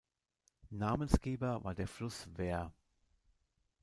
Namensgeber war der Fluss Wear.